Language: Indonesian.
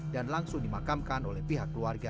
dan langsung dimakamkan oleh pihak keluarga